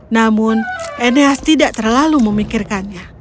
namun eneas tidak terlalu memikirkannya